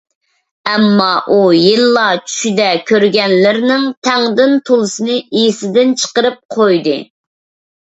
ئەمما، ئۇ ھېلىلا چۈشىدە كۆرگەنلىرىنىڭ تەڭدىن تولىسىنى ئېسىدىن چىقىرىپ قويدى.